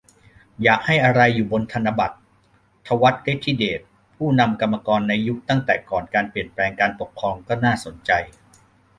อยากให้อะไรอยู่บนธนบัตร - ถวัติ ฤทธิเดช ผู้นำกรรมกรในยุคตั้งแต่ก่อนเปลี่ยนแปลงการปกครอง ก็น่าสนใจ